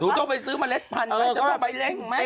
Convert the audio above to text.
หนูต้องไปซื้อเมล็ดพันะจะไปเร่ง